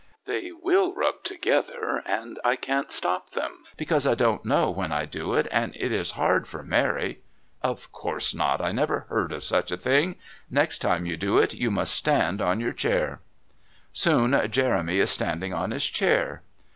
"They will rub together, and I can't stop them, because I don't know when I do it, and it is hard for Mary " "Of course not! I never heard of such a thing! Next time you do it you must stand on your chair." Soon Jeremy is standing on his chair.